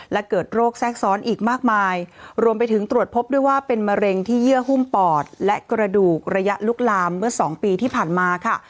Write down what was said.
และเกิดโรคแทรกซ้อนอีกมากมายรวมไปถึงตรวจพบด้วยว่าเป็นมะเร็งที่เยื่อหุ้มปอดและกระดูกระยะลุกลามเมื่อสองปีที่ผ่านมาค่ะ